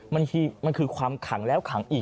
มันคือความขังแล้วขังอีก